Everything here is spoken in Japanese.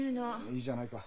いいじゃないか。